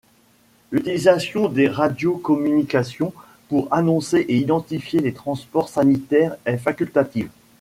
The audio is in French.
L'utilisation des radiocommunications pour annoncer et identifier les transports sanitaires est facultative.